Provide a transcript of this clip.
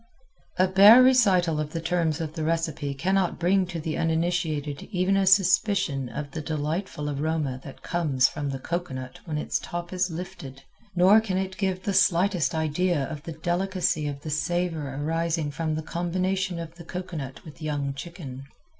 A bare recital of the terms of the recipe cannot bring to the uninitiated even a suspicion of the delightful aroma that comes from the cocoanut when its top is lifted, nor can it give the slightest idea of the delicacy of the savor arising from the combination of the cocoanut with young chicken.